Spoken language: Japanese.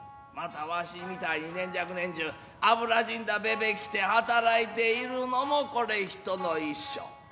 またわしみたいに年じゃく年中油じんだべべ着て働いているのもこれ人の一生。